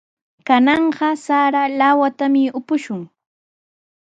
Kananqa sara lawatami upushun.